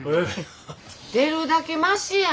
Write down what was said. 出るだけマシや。